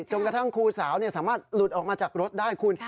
จนกระทั่งครูสาวสามารถหลุดออกมาจากรถได้คุณ